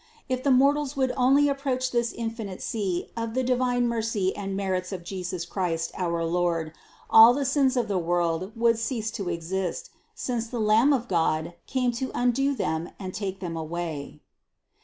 If the mortals would only approach this infinite sea of the divine mercy and merits of Jesus Christ our Lord, all the sins of the world would cease to exist, since the Lamb of God came to undo them and take them away.